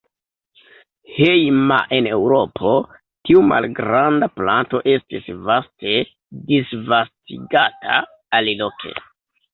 Hejma en Eŭropo, tiu malgranda planto estis vaste disvastigata aliloke.